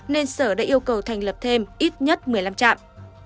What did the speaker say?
nên sở đã yêu cầu thành lập thêm ít nhất một mươi năm trạm